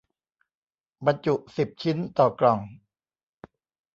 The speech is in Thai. บรรจุสิบชิ้นต่อกล่อง